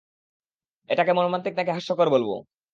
এটাকে মর্মান্তিক নাকি হাস্যকর বলব?